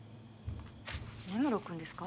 根室くんですか？